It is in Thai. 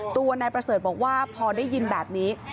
ตัวนายประเสริฐบอกว่าพอได้ยินแบบนี้